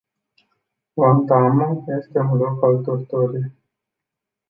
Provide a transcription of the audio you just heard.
Guantánamo este un loc al torturii.